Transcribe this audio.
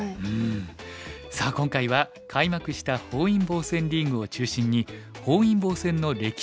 さあ今回は開幕した本因坊戦リーグを中心に本因坊戦の歴史なども紹介します。